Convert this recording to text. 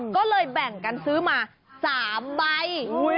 ก็เลยแบ่งกันซื้อมา๓ใบ